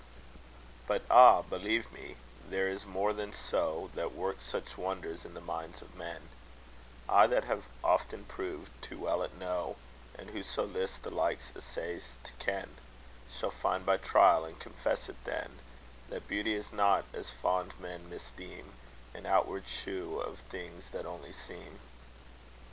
But ah! believe me, there is more than so, That works such wonders in the minds of men; I, that have often proved, too well it know; And whoso list the like assays to ken, Shall find by trial, and confess it then, That beauty is not, as fond men misdeem, An outward show of things that only seem!